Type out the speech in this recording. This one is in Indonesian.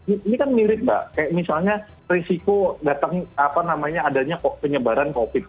ini kan mirip mbak kayak misalnya risiko datang apa namanya adanya penyebaran covid